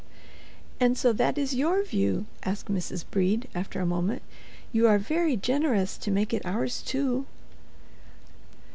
"And so that is your view?" asked Mrs. Brede, after a moment; "you are very generous to make it ours, too."